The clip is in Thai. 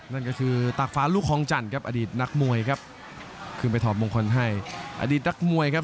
นั่นก็คือตากฟ้าลูกของจันทร์ครับอดีตนักมวยครับ